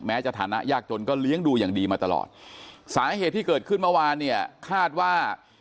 จะฐานะยากจนก็เลี้ยงดูอย่างดีมาตลอดสาเหตุที่เกิดขึ้นเมื่อวานเนี่ยคาดว่า